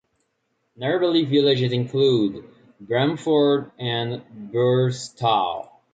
Nearby villages include Bramford and Burstall.